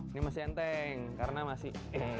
ini masih enteng karena masih